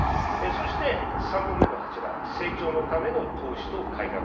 そして３本目の柱、成長のための投資と改革。